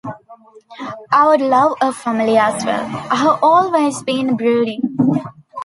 I would love a family as well; I've always been broody.